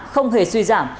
không hề suy giảm